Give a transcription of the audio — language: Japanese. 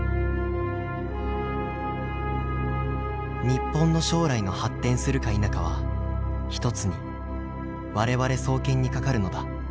「日本の将来の発展するか否かは一つに我々双肩にかかるのだ。